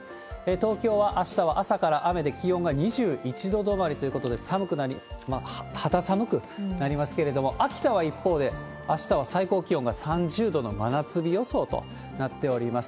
東京はあしたは朝から雨で、気温が２１度止まりということで、寒くなり、肌寒くなりますけれども、秋田は一方で、あしたは最高気温が３０度の真夏日予想となっております。